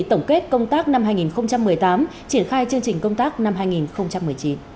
tổng kết công tác năm hai nghìn một mươi tám triển khai chương trình công tác năm hai nghìn một mươi chín